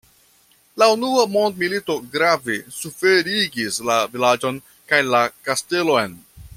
La unua mondmilito grave suferigis la vilaĝon kaj la kastelon.